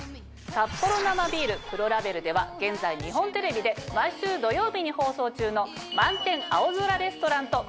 「サッポロ生ビール黒ラベル」では現在日本テレビで毎週土曜日に放送中の。